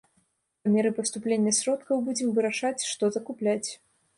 Па меры паступлення сродкаў будзем вырашаць, што закупляць.